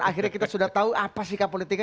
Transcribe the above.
akhirnya kita sudah tahu apa sikap politiknya